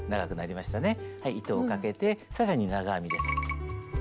糸をかけて更に長編みです。